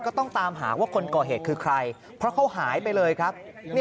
ก็ต้องตามหาว่าคนก่อเหตุคือใครเพราะเขาหายไปเลยครับ